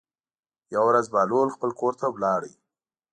یوه ورځ بهلول خپل کور ته لاړ.